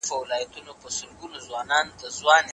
د خپلو خدماتو او تولیداتو کیفیت د خلګو لپاره ښه کړئ.